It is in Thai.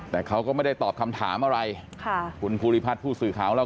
แต่เขาก็ไม่ได้ตอบคำถามอะไรค่ะคุณภูริพัฒน์ผู้สื่อข่าวของเรา